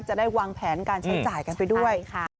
จะได้วางแผนการใช้จ่ายกันไปด้วยค่ะ